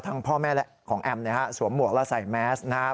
ทั้งพ่อแม่ของแอมเนี่ยฮะสวมหมวกแล้วใส่แมสนะฮะ